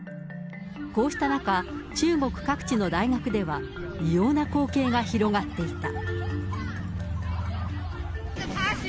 こうした中、中国各地の大学では、異様な光景が広がっていた。